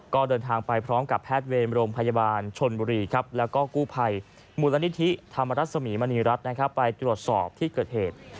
ก็เดินทางไปพร้อมกับแพทย์เวรโรงพยาบาลชนบุรีแล้วก็กู้ภัยมูลนิธิธรรมรสมีมณีรัฐไปตรวจสอบที่เกิดเหตุ